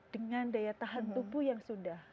dengan daya tahan tubuh yang sudah